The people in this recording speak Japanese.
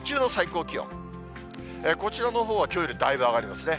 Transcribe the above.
こちらのほうはきょうよりだいぶ上がりますね。